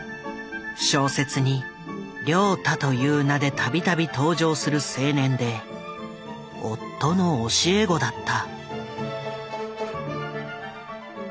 小説に「凉太」という名で度々登場する青年で夫の教え子だった。